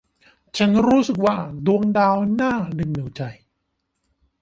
ฉันรู้สึกว่าดวงดาวน่าดึงดูดใจ